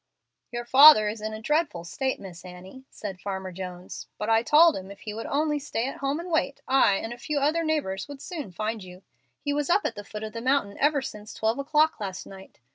"Your father is in a dreadful state, Miss Annie," said Farmer Jones; "but I told him if he would only stay at home and wait, I, and a few other neighbors, would soon find you. He was up at the foot of the mountain ever since twelve o'clock last night.